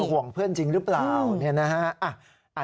ห่วงเพื่อนจริงหรือเปล่า